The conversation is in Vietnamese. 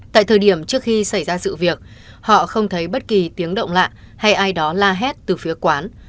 tại thời điểm trước khi xảy ra sự việc họ không thấy bất kỳ tiếng động lạ hay ai đó la hét từ phía quán